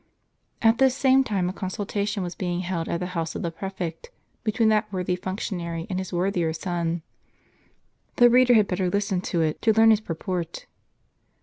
At this same time a consultation was being held at the house of the prefect, between that worthy functionary and his worthier son. The reader had better listen to it, to learn its purport.